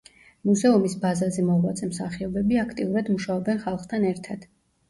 მუზეუმის ბაზაზე მოღვაწე მსახიობები აქტიურად მუშაობენ ხალხთან ერთად.